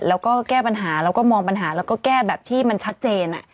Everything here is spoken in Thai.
แล้วก็แก้ปัญหาแล้วก็มองปัญหาแล้วก็แก้แบบที่มันชัดเจน